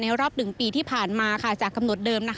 รอบ๑ปีที่ผ่านมาจากกำหนดเดิม